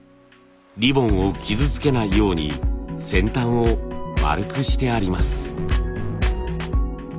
リボンを傷つけないように先端を丸くしてあります。